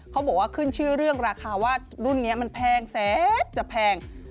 เขาบอกว่าขึ้นชื่อเรื่องราคาว่ารุ่นนี้มันแพงแสนจะแพง